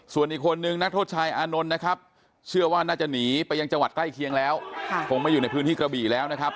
ส่วนอีกคนนึงนักโทษชายอานนท์นะครับเชื่อว่าน่าจะหนีไปยังจังหวัดใกล้เคียงแล้วคงไม่อยู่ในพื้นที่กระบี่แล้วนะครับ